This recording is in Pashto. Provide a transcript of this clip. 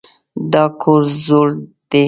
دا کور زوړ دی.